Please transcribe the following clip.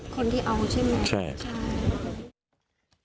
คนที่เอาใช่ไหมใช่ใช่ใช่